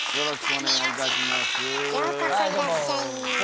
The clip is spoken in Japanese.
ようこそいらっしゃい。